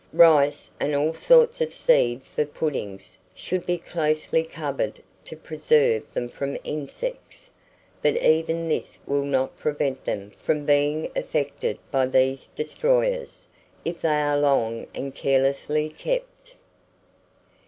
Rice, and all sorts of seed for puddings, should be closely covered to preserve them from insects; but even this will not prevent them from being affected by these destroyers, if they are long and carelessly kept.